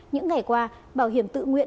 những ngày qua bảo hiểm tự nguyện